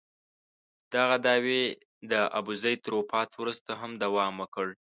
دغه دعوې د ابوزید تر وفات وروسته هم دوام وکړ.